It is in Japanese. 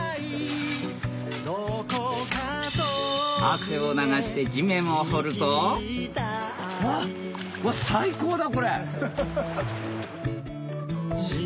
どこか遠くへ汗を流して地面を掘るとわっ最高だこれ。